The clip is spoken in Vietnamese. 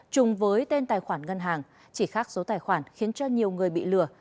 chùng với tên tài khoản ngân hàng chỉ khác số tài khoản khiến cho nhiều người bị lừa